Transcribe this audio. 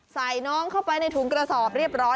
ใส่น้องเข้าไปในถุงกระสอบเรียบร้อย